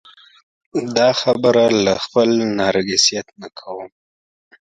دا خبره له خپل نرګسیت نه کوم.